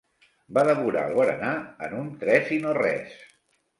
Va devorar el berenar en un tres i no res.